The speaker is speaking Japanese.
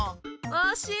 おしい。